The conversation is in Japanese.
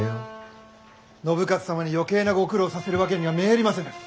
信雄様に余計なご苦労をさせるわけにはめえりませぬ。